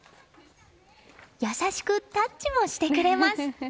優しくタッチもしてくれます。